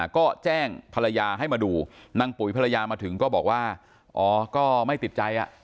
ก็แจ้งภรรยาให้มาดูนางปุ๋ยภรรยามาถึงก็บอกว่าอ๋อก็ไม่ติดใจอ่ะ